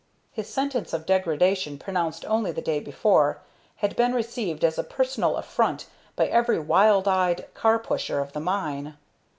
His sentence of degradation, pronounced only the day before, had been received as a personal affront by every wild eyed car pusher of the mine.